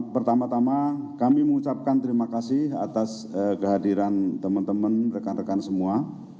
pertama tama kami mengucapkan terima kasih atas kehadiran teman teman rekan rekan semua